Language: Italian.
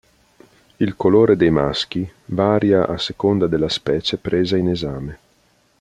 Il colore dei maschi varia a seconda della specie presa in esame.